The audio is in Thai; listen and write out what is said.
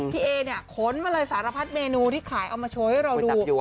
เอเนี่ยขนมาเลยสารพัดเมนูที่ขายเอามาโชว์ให้เราดู